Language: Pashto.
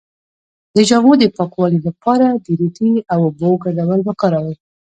د جامو د پاکوالي لپاره د ریټې او اوبو ګډول وکاروئ